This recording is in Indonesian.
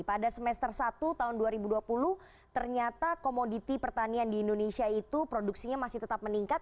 pada semester satu tahun dua ribu dua puluh ternyata komoditi pertanian di indonesia itu produksinya masih tetap meningkat